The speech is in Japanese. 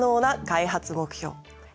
開発目標